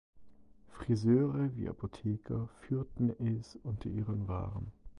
Friseure wie Apotheker führten es unter ihren Waren.